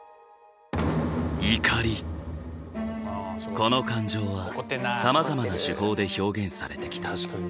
この感情はさまざまな手法で表現されてきた。